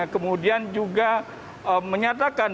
kemudian juga menyatakan